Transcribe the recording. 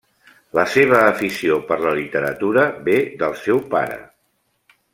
La seva afició per la literatura ve del seu pare.